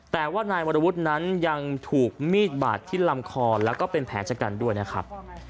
แต่ว่านายวรวุฒินั้นยังถูกมีดบาดที่ลำคอแล้วก็เป็นแผลชะกันด้วยนะครับ